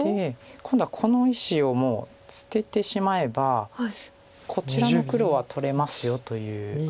今度はこの石をもう捨ててしまえばこちらの黒は取れますよということなんです。